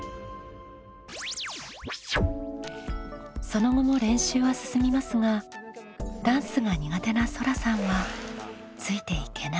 その後も練習は進みますがダンスが苦手なそらさんはついていけない様子。